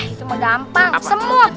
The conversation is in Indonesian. ah itu mudah gampang semua